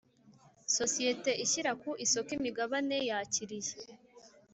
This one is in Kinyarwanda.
sosiyete ishyira ku isoko imigabane yakiriye